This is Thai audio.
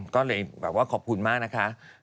ก็เลยแบบว่าขอบคุณมากนะคะ